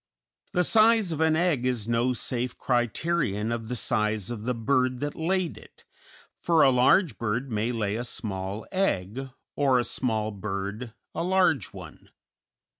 The size of an egg is no safe criterion of the size of the bird that laid it, for a large bird may lay a small egg, or a small bird a large one.